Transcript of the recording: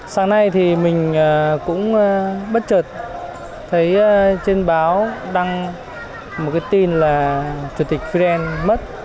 sáng nay thì mình cũng bất chợt thấy trên báo đăng một cái tin là chủ tịch firen mất